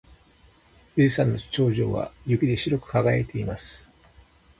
富士山の頂上は雪で白く輝いています。